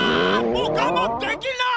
もうがまんできない！